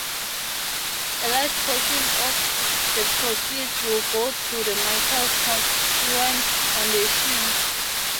A large portion of the proceeds will go to the Michael Cuccione Foundation.